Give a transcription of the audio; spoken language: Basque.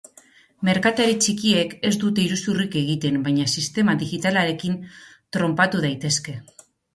Merkatari txikiek ez dute iruzurrik egiten baina sistema digitalarekin tronpatu daitezke.